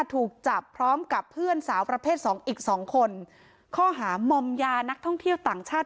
ถูกจับพร้อมกับเพื่อนสาวประเภทสองอีกสองคนข้อหามอมยานักท่องเที่ยวต่างชาติ